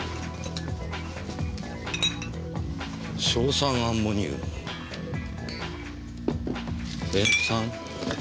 硝酸アンモニウム塩酸。